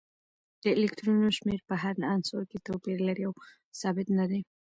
د الکترونونو شمیر په هر عنصر کې توپیر لري او ثابت نه دی